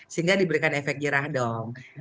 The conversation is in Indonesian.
sehingga diberikan efek jerah dong